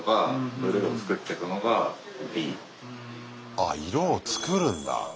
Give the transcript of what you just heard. あっ色を作るんだ。